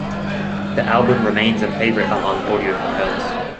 The album remains a favorite among audiophiles.